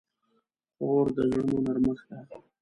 خور د زړونو نرمښت ده.